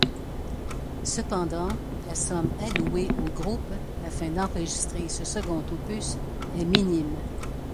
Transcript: Cependant, la somme allouée au groupe afin d'enregistrer ce second opus est minime.